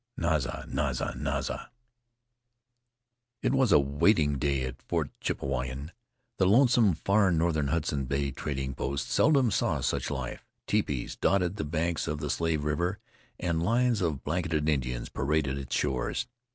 NAZA! NAZA! NAZA! It was a waiting day at Fort Chippewayan. The lonesome, far northern Hudson's Bay Trading Post seldom saw such life. Tepees dotted the banks of the Slave River and lines of blanketed Indians paraded its shores.